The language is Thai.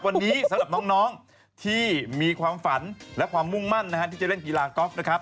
วันนี้สำหรับน้องที่มีความฝันและความมุ่งมั่นนะฮะที่จะเล่นกีฬากอล์ฟนะครับ